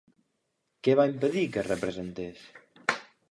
Què va impedir que es representés?